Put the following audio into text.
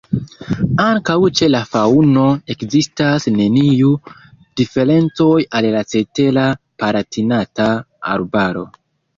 Ankaŭ ĉe la faŭno ekzistas neniu diferencoj al la cetera Palatinata Arbaro.